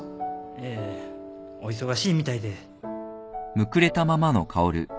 ええお忙しいみたいで。